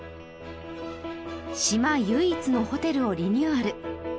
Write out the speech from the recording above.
島唯一のホテルをリニューアル